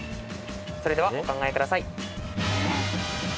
それではお考えください。